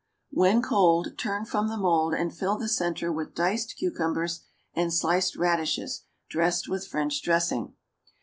When cold turn from the mould and fill the centre with diced cucumbers and sliced radishes dressed with French dressing.